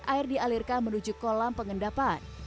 air dialirkan menuju kolam pengendapan